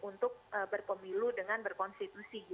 untuk berpemilu dengan berkonsentrasi